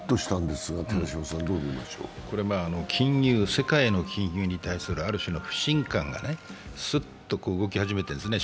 世界の金融に対するある種の不信感がすっと動き始めてるんですね